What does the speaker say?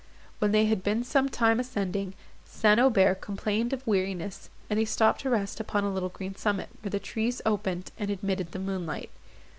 When they had been some time ascending, St. Aubert complained of weariness, and they stopped to rest upon a little green summit, where the trees opened, and admitted the moonlight.